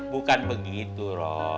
bukan begitu roh